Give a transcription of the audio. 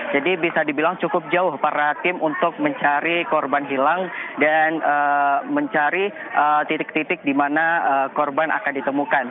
jadi bisa dibilang cukup jauh para tim untuk mencari korban hilang dan mencari titik titik di mana korban akan ditemukan